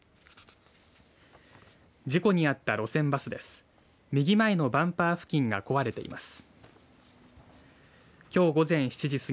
事故に遭った路線バスです。